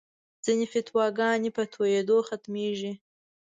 ځینې فتواګانې په تویېدو ختمېږي.